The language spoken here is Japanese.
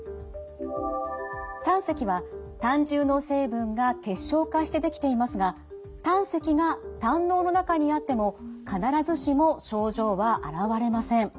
胆石は胆汁の成分が結晶化してできていますが胆石が胆のうの中にあっても必ずしも症状は現れません。